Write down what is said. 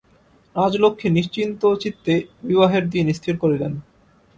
রাজলক্ষ্মী নিশ্চিন্তচিত্তে বিবাহের দিন স্থির করিলেন।